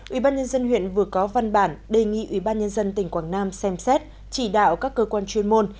ubnd huyện vừa có văn bản đề nghị ubnd tỉnh quảng nam xem xét chỉ đạo các cơ quan chuyên môn